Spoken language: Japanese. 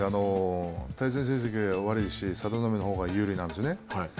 対戦成績は悪いし佐田の海のほうが有利なんですよね。